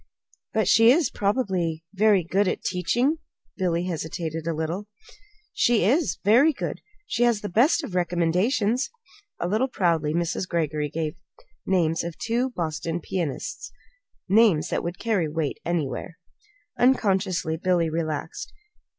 "But she is probably very good at teaching." Billy hesitated a little. "She is; very good. She has the best of recommendations." A little proudly Mrs. Greggory gave the names of two Boston pianists names that would carry weight anywhere. Unconsciously Billy relaxed.